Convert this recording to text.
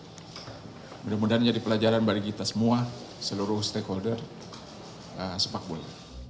jadi mudah mudahan jadi pelajaran bagi kita semua seluruh stakeholder sepak bola